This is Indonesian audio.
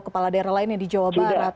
kepala daerah lainnya di jawa barat